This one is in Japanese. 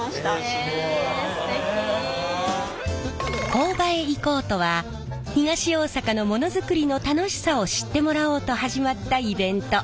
「こーばへ行こう！」とは東大阪のモノづくりの楽しさを知ってもらおうと始まったイベント。